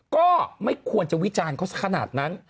ก็ไม่ควรจะวิจารณ์เขาสักขนาดนั้น